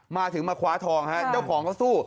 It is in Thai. มาถึงมาคว้าทองฮะเจ้าของเขาสู้